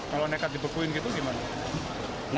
kalau nekat dibekuin gitu gimana